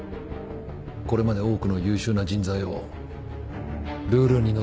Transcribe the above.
これまで多くの優秀な人材をルールにのっとり処分してきた。